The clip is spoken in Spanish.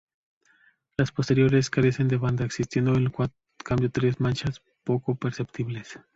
Las posteriores, carecen de banda, existiendo en cambio tres manchas poco perceptibles.